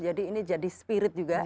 jadi ini jadi spirit juga